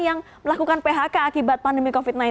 yang melakukan phk akibat pandemi covid sembilan belas